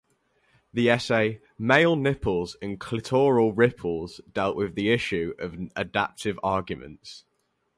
The essay "Male Nipples and Clitoral Ripples" dealt with the issue of adaptive arguments.